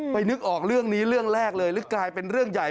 นึกออกเรื่องนี้เรื่องแรกเลยหรือกลายเป็นเรื่องใหญ่